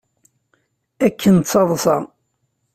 Akken d taḍsa.